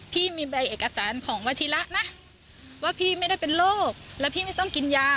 พี่มีใบเอกสารของวัชิระนะว่าพี่ไม่ได้เป็นโรคแล้วพี่ไม่ต้องกินยา